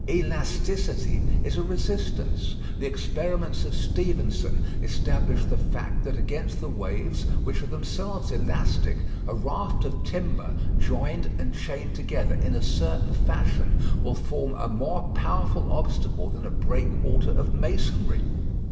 Elasticity is a resistance. The experiments of Stephenson establish the fact that against the waves, which are themselves elastic, a raft of timber, joined and chained together in a certain fashion, will form a more powerful obstacle than a breakwater of masonry.